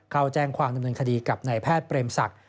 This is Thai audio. เข้าแจ้งความดำเนินคดีกับนายแพทย์เปรมศักดิ์